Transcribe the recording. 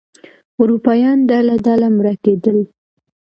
اروپایان ډله ډله مړه کېدل.